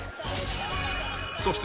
そして